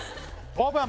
オープン！